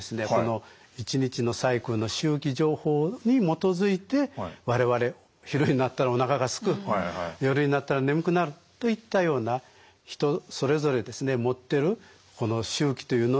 一日のサイクルの周期情報に基づいて我々昼になったらおなかがすく夜になったら眠くなるといったような人それぞれ持ってるこの周期というのの根源になってると考えられています。